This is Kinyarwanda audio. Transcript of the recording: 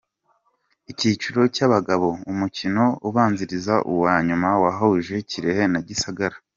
Icyiciro cy’Abagabo, umukino ubanziriza uwa nyuma wahuje Kirehe na Gisagara.